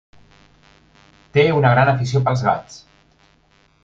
Té una gran afició pels gats.